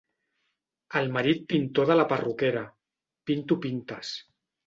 El marit pintor de la perruquera: —Pinto pintes.